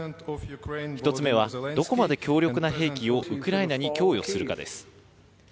１つ目は、どこまで強力な兵器をウクライナに供与するかです。